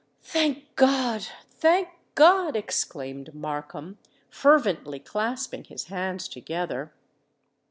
"Thank God—thank God!" exclaimed Markham, fervently clasping his hands together.